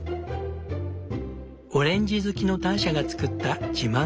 オレンジ好きのターシャがつくった自慢のレシピ。